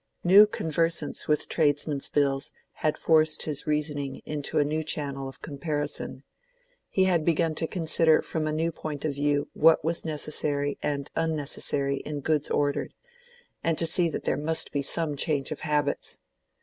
New conversance with tradesmen's bills had forced his reasoning into a new channel of comparison: he had begun to consider from a new point of view what was necessary and unnecessary in goods ordered, and to see that there must be some change of habits.